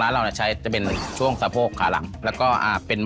ข้างร้านเราใช้จะเป็นช่วงสะโพกขาหลัง